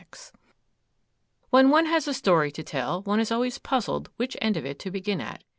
When one has a story to tell, one is always puzzled which end of it to begin at.